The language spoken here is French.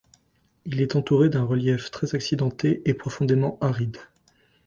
Il est entouré d'un relief très accidenté et profondément aride.